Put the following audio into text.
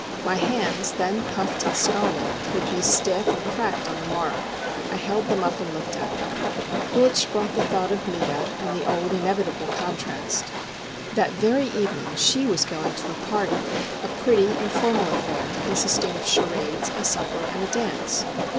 My hands, then puffed and scarlet, would be stiff and cracked on the morrow. I held them up and looked at them. Which brought the thought of Meta, and the old inevitable contrast. That very evening she was going to a party;—a pretty, informal affair, consisting of charades, a supper, and a dance.